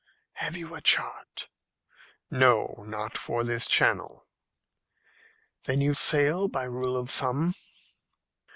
"Have you a chart?" "No; not for this channel." "Then you sail by rule of thumb?"